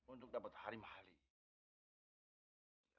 untuk dapat hari mahal ini